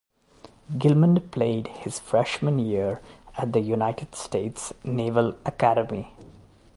Gilman played his freshman year at the United States Naval Academy.